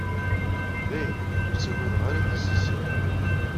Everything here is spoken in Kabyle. Dayen, ur ttagadeɣ ara tisisin.